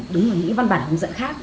đúng như những văn bản hướng dẫn khác